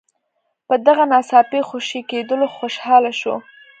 په دغه ناڅاپي خوشي کېدلو خوشاله ول.